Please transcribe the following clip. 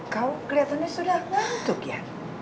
kau kelihatannya sudah ngantuk ya